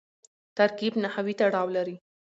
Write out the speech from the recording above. ترکیب نحوي تړاو لري.